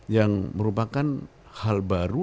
yang merupakan hal baru